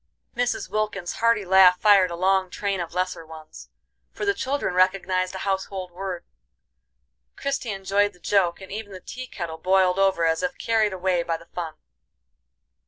'" Mrs. Wilkins' hearty laugh fired a long train of lesser ones, for the children recognized a household word. Christie enjoyed the joke, and even the tea kettle boiled over as if carried away by the fun.